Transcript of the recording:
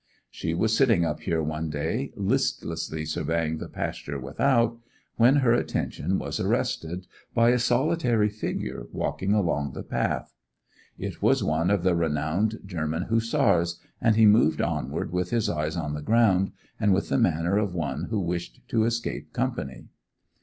She was sitting up here one day, listlessly surveying the pasture without, when her attention was arrested by a solitary figure walking along the path. It was one of the renowned German Hussars, and he moved onward with his eyes on the ground, and with the manner of one who wished to escape company.